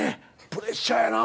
プレッシャーやな。